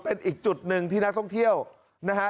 เป็นอีกจุดหนึ่งที่นักท่องเที่ยวนะฮะ